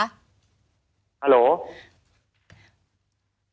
ฮัลโหล